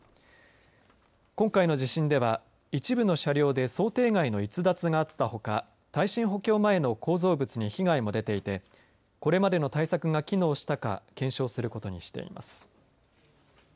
今回の地震では、一部の車両で想定外の逸脱があったほか耐震補強前の構造物に被害も出ていてこれまでの対策が機能したか検証することにしています。